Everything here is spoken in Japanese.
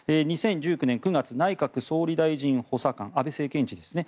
２０１９年９月内閣総理大臣補佐官安倍政権時ですね。